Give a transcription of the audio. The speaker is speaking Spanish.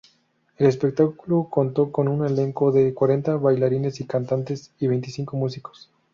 El espectáculo contó con un elenco de cuarenta bailarines y cantantes y veinticinco músicos.